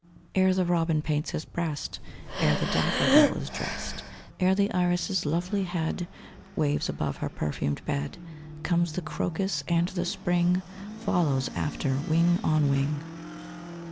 Ere the robin paints his breast, Ere the daffodil is drest, Ere the iris' lovely head Waves above her perfumed bed Comes the crocus and the Spring Follows after, wing on wing!